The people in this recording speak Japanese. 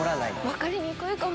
わかりにくいかも。